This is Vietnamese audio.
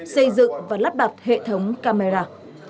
xây dựng và lắp đặt hệ thống camera